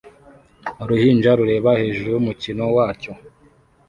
Uruhinja rureba hejuru yumukino wacyo